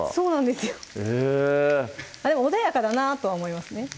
でも穏やかだなとは思いますね